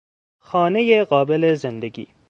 خانهی قابل زندگی